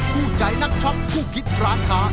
กู้ใจนักช็อคกู้พิษร้านค้า